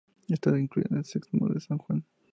Estaba incluida en el Sexmo de San Juan.